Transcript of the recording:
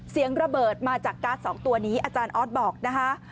เสียงระเบิดมาจากการ์ด๒ตัวนี้อาจารย์ออสบอกนะคะ